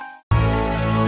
yang sadar lo sih banget